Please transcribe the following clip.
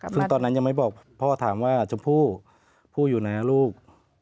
ซึ่งตอนนั้นยังไม่บอกพ่อถามว่าชมพู่ผู้อยู่ไหนลูก